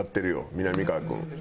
みなみかわ君。